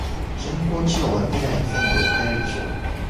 人工知能は未来の産業を変えるでしょう。